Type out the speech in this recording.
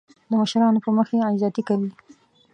د مشرانو په مخ بې عزتي کوي.